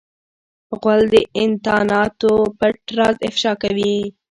غول د انتاناتو پټ راز افشا کوي.